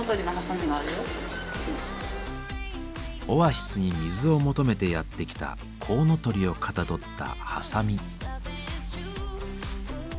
オアシスに水を求めてやって来たコウノトリをかたどったハサミ。